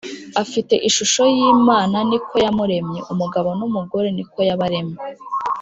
afite ishusho y’Imana ni ko yamuremye, umugabo n’umugore ni ko yabaremye.